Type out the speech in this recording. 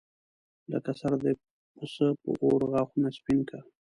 لکه سر د پسه په اور غاښونه سپین کا.